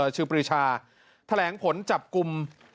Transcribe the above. ชิวปริชาแถลงผลจับกลุ้ม